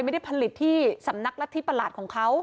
ไม่ได้ผลิตที่สำนักรัฐธิประหลาดของเขา